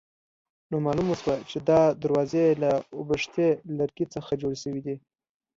نو معلومه شوه چې دا دروازې له اوبښتي لرګي څخه جوړې شوې دي.